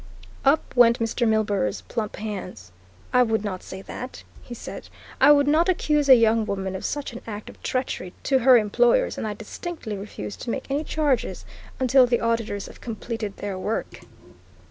Up went Mr. Milburgh's plump hands. "I would not say that," he said. "I would not accuse a young woman of such an act of treachery to her employers, and I distinctly refuse to make any charges until the auditors have completed their work.